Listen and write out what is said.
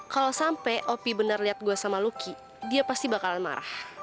kalau sampai opi benar lihat gue sama lucky dia pasti bakalan marah